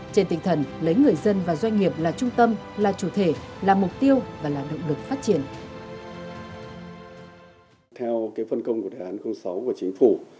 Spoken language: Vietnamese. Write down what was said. trên tinh thần lấy người dân và doanh nghiệp